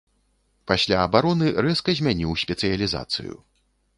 Пасля абароны рэзка змяніў спецыялізацыю.